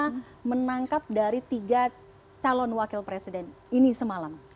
bagaimana menangkap dari tiga calon wakil presiden ini semalam